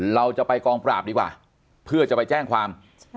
เราจะไปกองปราบดีกว่าเพื่อจะไปแจ้งความ